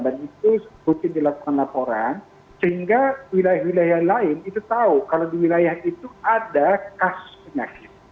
dan itu harus dilakukan pelaporan sehingga wilayah wilayah lain itu tahu kalau di wilayah itu ada kas penyakit